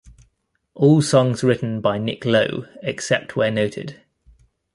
All songs written by Nick Lowe except where noted.